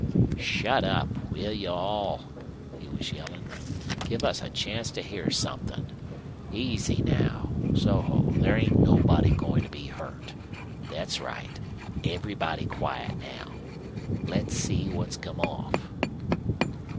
"Shut up, will you all?" he was yelling. "Give us a chance to hear somethin'. Easy now soho. There ain't nobody goin' to be hurt. Thet's right; everybody quiet now. Let's see what's come off."